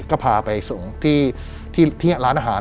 ก็พาไปส่งที่ร้านอาหาร